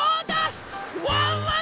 ワンワン